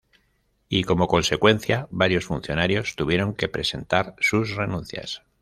Y como consecuencia varios funcionarios tuvieron que presentar sus renuncias.